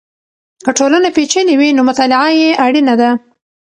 که ټولنه پېچلې وي نو مطالعه یې اړینه ده.